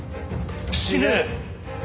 死ね！